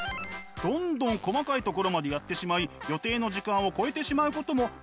どんどん細かいところまでやってしまい予定の時間を超えてしまうこともよくあるんだとか。